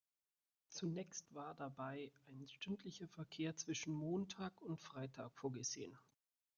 Zunächst war dabei ein stündlicher Verkehr zwischen Montag und Freitag vorgesehen.